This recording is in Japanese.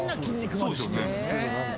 そうですよね。